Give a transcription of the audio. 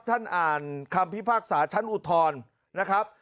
ท่านอ่านคำพิพากษาชั้นอุทธรณ์นะครับ